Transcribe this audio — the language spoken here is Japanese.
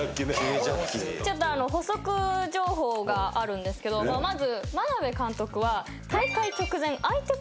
ちょっと補足情報があるんですけどまず。